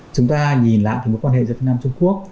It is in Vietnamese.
chúng ta nhìn lại một quan hệ giữa việt nam trung quốc